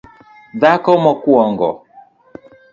dhako mokuongo